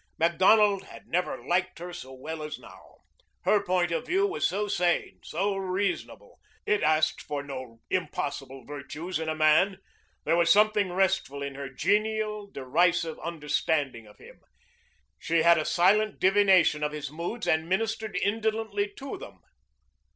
Macdonald had never liked her so well as now. Her point of view was so sane, so reasonable. It asked for no impossible virtues in a man. There was something restful in her genial, derisive understanding of him. She had a silent divination of his moods and ministered indolently to them.